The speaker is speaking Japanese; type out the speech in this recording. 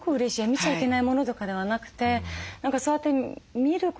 見ちゃいけないものとかではなくて何かそうやって見ることで知る。